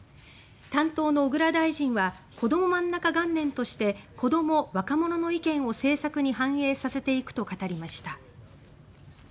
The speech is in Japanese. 担当の小倉大臣は「こどもまんなか元年としてこども・若者の意見を政策に反映させていく」と語りました。